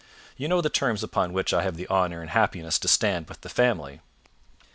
You know the terms upon which I have the honour and happiness to stand with the family.